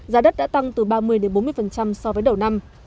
giá đất đã tăng từ ba mươi bốn mươi so với đầu năm